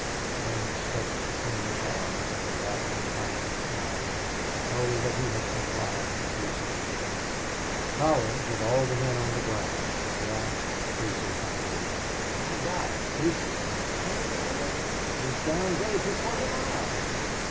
McDermott stepped between the cars and the rattle and clank of iron told that he had complied with Casey's request. Collins, with all the men on the ground, grasped Casey's idea. "By God! Casey can you do it? There's down grade for twenty miles.